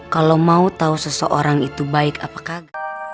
kalau mau tau seseorang itu baik apakah